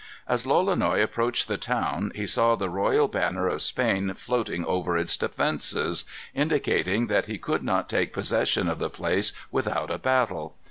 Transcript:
As Lolonois approached the town he saw the royal banner of Spain floating over its defences, indicating that he could not take possession of the place without a battle.